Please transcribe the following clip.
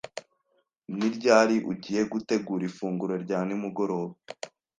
Ni ryari ugiye gutegura ifunguro rya nimugoroba?